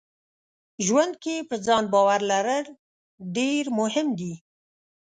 ژوند کې په ځان باور لرل ډېر مهم دي.